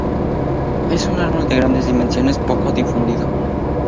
Es un árbol de grandes dimensiones poco difundido.